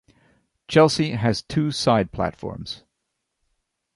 Chelsea has two side platforms.